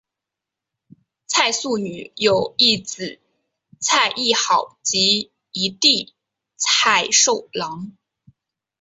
蔡素女有一姊蔡亦好及一弟蔡寿郎。